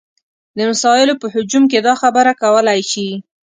د مسایلو په هجوم کې دا خبره کولی شي.